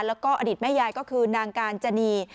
แล้วก็อดีตแม่ยายก็คือนางกาญจนี